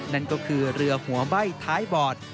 นั่นก็คือเรือหัวใบ้ท้ายบอด